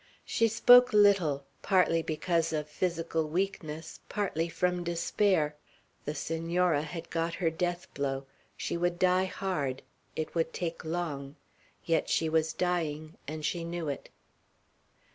She spoke little, partly because of physical weakness, partly from despair. The Senora had got her death blow. She would die hard. It would take long. Yet she was dying, and she knew it.